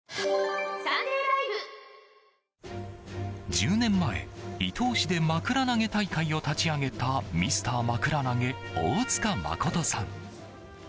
１０年前、伊東市でまくら投げ大会を立ち上げたミスターまくら投げ大塚眞さん。